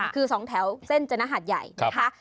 คือ๒แถวเส้นจนหาดใหญ่นะคะ